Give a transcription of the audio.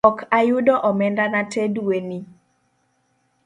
Ok ayudo omendana te dweni